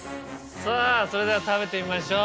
さぁそれでは食べてみましょう。